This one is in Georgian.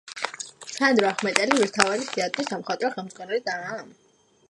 სანდრო ახმეტელი რუსთაველის თეატრის სამხატვრო ხელმძღვანელის თანამდებობიდან გაათავისუფლეს.